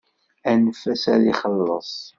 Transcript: Anef-as ad ixelleṣ.